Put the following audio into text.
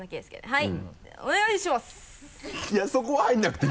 はい。